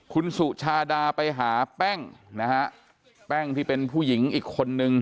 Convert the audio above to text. คุณสุชาดาไปหาแป้งที่เป็นผู้หญิงอีกคนหนึ่ง